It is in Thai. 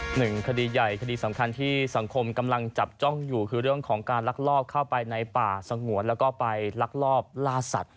หนึ่งคดีใหญ่คดีสำคัญที่สังคมกำลังจับจ้องอยู่คือเรื่องของการลักลอบเข้าไปในป่าสงวนแล้วก็ไปลักลอบล่าสัตว